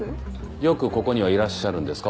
よくここにはいらっしゃるんですか？